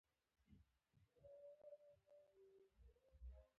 په محسوسو مثالونو یې ثابته کړې وه.